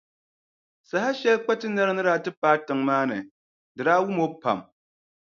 Saha shɛli Kpatinariŋga ni daa ti paai tiŋa maa ni, di daa wum o pam.